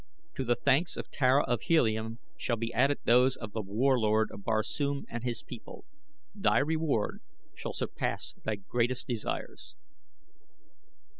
To the thanks of Tara of Helium shall be added those of The Warlord of Barsoom and his people. Thy reward shall surpass thy greatest desires."